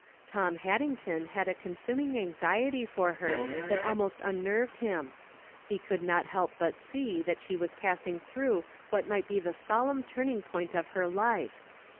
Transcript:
Tom Haddington had a consuming anxiety for her that almost unnerved him. He could not help but see that she was passing through what might be the solemn turning point of her life.